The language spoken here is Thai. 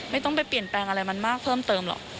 ไม่ต้องไปเปลี่ยนแปลงอะไรมันมากเพิ่มเติมหรอก